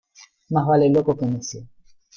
Más vale loco que necio.